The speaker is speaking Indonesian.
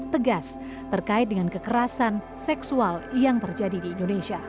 tegas terkait dengan kekerasan seksual yang terjadi di indonesia